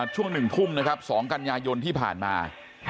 ช่วงหนึ่งทุ่มนะครับสองกัญญายนที่ผ่านมา